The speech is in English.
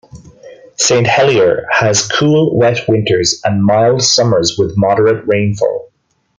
Saint Helier has cool, wet winters and mild summers with moderate rainfall.